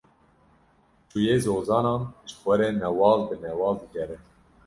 Çûye zozanan, ji xwe re newal bi newal digere.